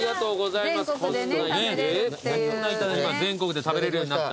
全国で食べれるようになった。